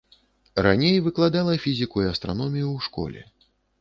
Раней выкладала фізіку і астраномію ў школе.